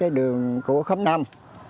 cái đường của khống năm